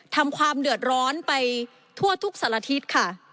ทำความเดือดร้อนไปทั่วทุกสารทิศค่ะ